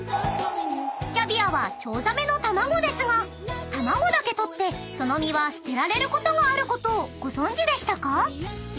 ［キャビアはチョウザメの卵ですが卵だけ取ってその身は捨てられることがあることをご存じでしたか？］